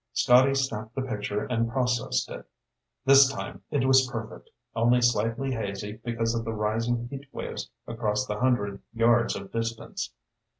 Scotty snapped the picture and processed it. This time it was perfect, only slightly hazy because of the rising heat waves across the hundred yards of distance.